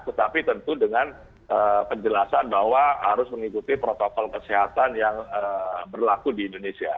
tetapi tentu dengan penjelasan bahwa harus mengikuti protokol kesehatan yang berlaku di indonesia